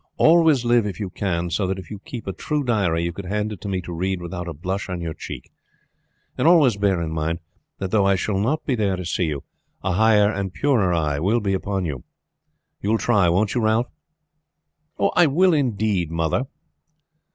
Always live, if you can, so that if you kept a true diary you could hand it to me to read without a blush on your cheek; and always bear in mind, that though I shall not be there to see you, a higher and purer eye will be upon you. You will try; won't you, Ralph?" "I will indeed, mother."